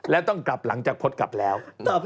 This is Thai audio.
แล้วต้องกลับหลังจากพจน์กลับแล้ว